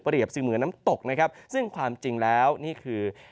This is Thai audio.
ประเด็นกับสิ่งเหมือนน้ำตกนะครับซึ่งความจริงแล้วนี่คือ